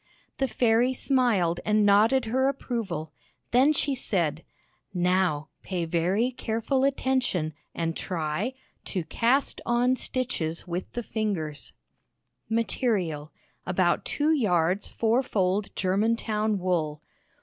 The fairy smiled and nodded her approval; then she said, "Now, pay very careful attention, and try To Cast on Stitches with the Fingers Material : About 2 yards four fold Germantown wool.